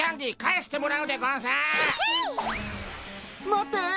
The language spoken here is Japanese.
待って！